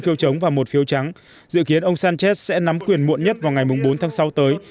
một trăm sáu mươi chín phiếu trống và một phiếu trắng dự kiến ông sánchez sẽ nắm quyền muộn nhất vào ngày bốn tháng sáu tới